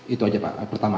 itu saja pak pertama